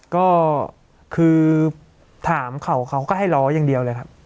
ก็คือถามเขาเขาก็ให้ล้ออย่างเดียวเลยครับ